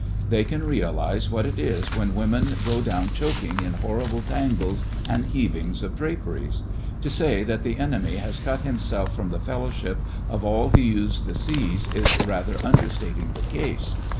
They can realize what it is when women go down choking in horrible tangles and heavings of dra peries. To say that the enemy has cut himself from the fellowship of all who use the seas is rather understating the case.